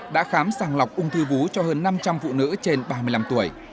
đã khám sàng lọc ung thư vú cho hơn năm trăm linh phụ nữ trên ba mươi năm tuổi